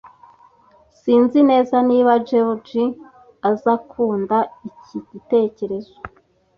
Sinzi neza niba George azakunda iki gitekerezo